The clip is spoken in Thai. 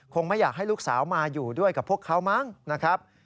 ไม่อยากให้ลูกสาวมาอยู่ด้วยกับพวกเขามั้งนะครับ